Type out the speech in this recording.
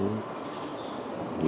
các bộ đảng